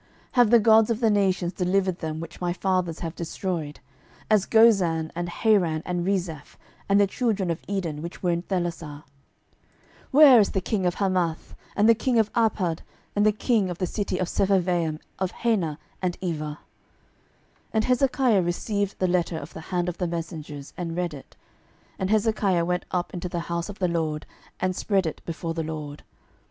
12:019:012 Have the gods of the nations delivered them which my fathers have destroyed; as Gozan, and Haran, and Rezeph, and the children of Eden which were in Thelasar? 12:019:013 Where is the king of Hamath, and the king of Arpad, and the king of the city of Sepharvaim, of Hena, and Ivah? 12:019:014 And Hezekiah received the letter of the hand of the messengers, and read it: and Hezekiah went up into the house of the LORD, and spread it before the LORD.